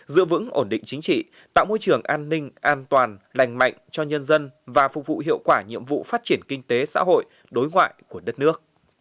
giữ vững ổn định chính trị tạo môi trường an ninh an toàn lành mạnh cho nhân dân và phục vụ hiệu quả nhiệm vụ phát triển kinh tế xã hội đối ngoại của đất nước